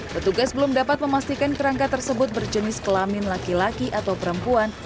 petugas belum dapat memastikan kerangka tersebut berjenis kelamin laki laki atau perempuan